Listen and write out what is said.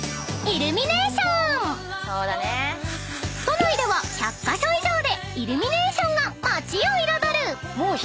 ［都内では１００カ所以上でイルミネーションが街を彩る］